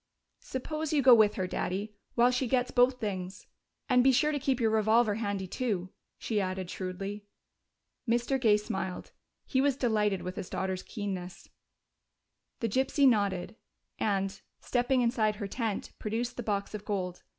"Suppose you go with her, Daddy, while she gets both things. And be sure to keep your revolver handy, too," she added shrewdly. Mr. Gay smiled: he was delighted with his daughter's keenness. The gypsy nodded and, stepping inside her tent, produced the box of gold.